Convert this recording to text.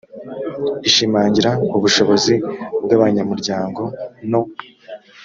ishimangira ubushobozi bw abanyamurya ngo no